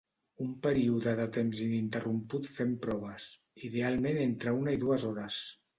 Un període de temps ininterromput fent proves, idealment entre una i dues hores.